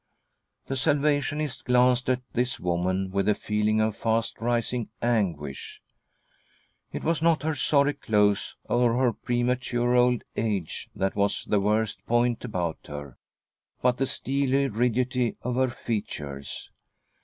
The Salvationist glanced at this woman with a feeling of fast rising anguish. It was not her sorry clothes or her premature old age that was the worst point about her, but the steely rigidity of her features.